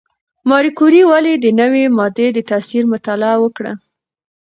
ماري کوري ولې د نوې ماده د تاثیر مطالعه وکړه؟